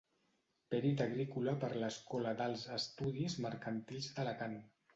Pèrit agrícola per l'Escola d'Alts Estudis Mercantils d'Alacant.